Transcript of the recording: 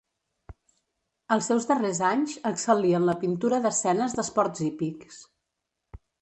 Als seus darrers anys, excel·lí en la pintura d'escenes d'esports hípics.